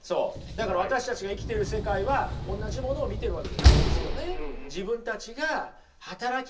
だから私たちが生きてる世界はおんなじものを見ているわけじゃないんですよね。